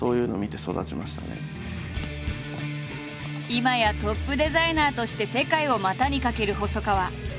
今やトップデザイナーとして世界を股にかける細川。